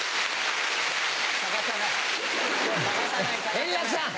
円楽さん！